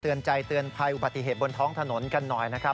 ใจเตือนภัยอุบัติเหตุบนท้องถนนกันหน่อยนะครับ